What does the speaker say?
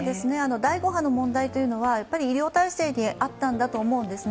第５波の問題は、やっぱり医療体制にあったんだと思うんですね。